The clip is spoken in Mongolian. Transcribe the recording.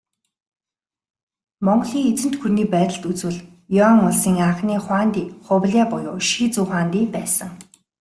Монголын эзэнт гүрний байдалд үзвэл, Юань улсын анхны хуанди Хубилай буюу Шизү хуанди байсан.